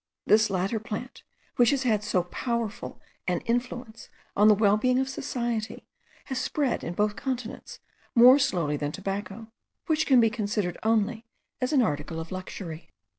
This latter plant, which has had so powerful an influence on the well being of society, has spread in both continents more slowly than tobacco, which can be considered only as an article of luxury.